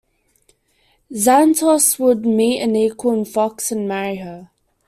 Xanatos would meet an equal in Fox and marry her.